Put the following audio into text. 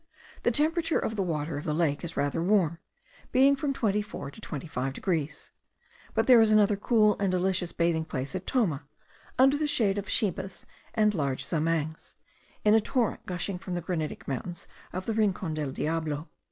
The temperature of the water of the lake is rather warm, being from twenty four to twenty five degrees; but there is another cool and delicious bathing place at Toma, under the shade of ceibas and large zamangs, in a torrent gushing from the granitic mountains of the Rincon del Diablo.